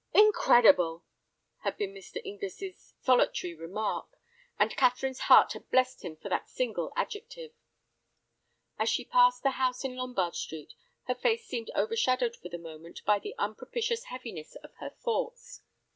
"Incredible!" had been Mr. Inglis's solitary remark, and Catherine's heart had blessed him for that single adjective. As she passed the house in Lombard Street, her face seemed overshadowed for the moment by the unpropitious heaviness of her thoughts.